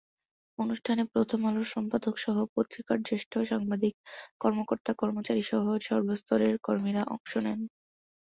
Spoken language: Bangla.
অনুষ্ঠানে প্রথম আলোর সম্পাদকসহ পত্রিকার জ্যেষ্ঠ সাংবাদিক, কর্মকর্তা-কর্মচারীসহ সর্বস্তরের কর্মীরা অংশ নেন।